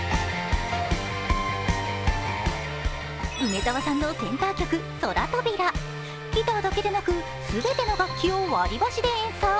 梅澤さんのセンター曲「空扉」ギターだけでなく、全ての楽器を割り箸で演奏。